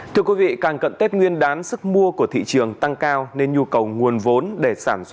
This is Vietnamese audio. thưa quý vị càng cận tết nguyên đán sức mua của thị trường tăng cao nên nhu cầu nguồn vốn